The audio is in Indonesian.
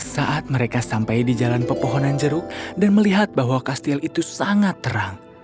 saat mereka sampai di jalan pepohonan jeruk dan melihat bahwa kastil itu sangat terang